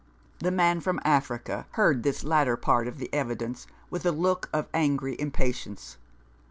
The man from Africa heard this latter part of the evidence with a look of angry impatience.